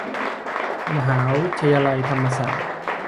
มหาวิทยาลัยธรรมศาสตร์